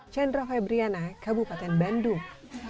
chandra febriana kabupaten bandung